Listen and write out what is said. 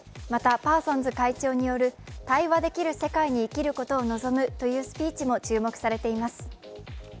また、パーソンズ会長による会話できる世界に生きることを望むというスピーチも注目されています。